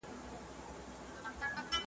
ارادو سره ستری بریاوی لاسته راوړي.